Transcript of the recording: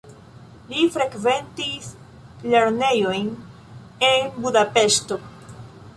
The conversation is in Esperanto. Li frekventis lernejojn en Budapeŝto.